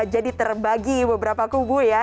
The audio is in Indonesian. jadi terbagi beberapa kubu ya